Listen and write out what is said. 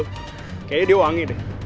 kayaknya dia wangi deh